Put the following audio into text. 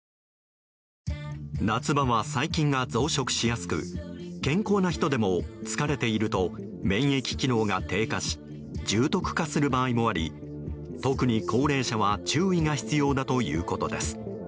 夏場は細菌が増殖しやすく健康な人でも疲れていると免疫機能が低下し重篤化する場合もあり特に高齢者は注意が必要だということです。